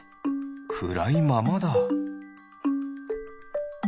くらいままだ。